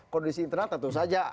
kondisi internal tentu saja